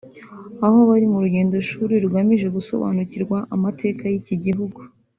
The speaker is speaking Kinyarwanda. aho bari mu rugendoshuri rugamije gusobanukirwa amateka y’iki gihugu